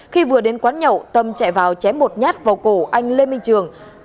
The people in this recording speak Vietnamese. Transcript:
khi vừa đến quán nhậu tâm chạy vào chém một nhát vào cổ anh lê minh trường